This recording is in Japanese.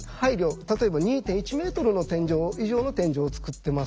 例えば２．１ｍ以上の天井を作ってますと。